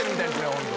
本当